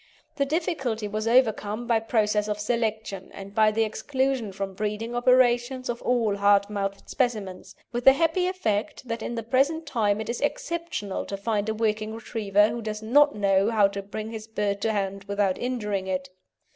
The difficulty was overcome by process of selection, and by the exclusion from breeding operations of all hard mouthed specimens, with the happy effect that in the present time it is exceptional to find a working Retriever who does not know how to bring his bird to hand without injuring it.